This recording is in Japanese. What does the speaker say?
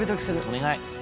お願い。